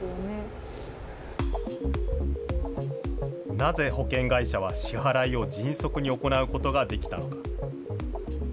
なぜ保険会社は支払いを迅速に行うことができたのか。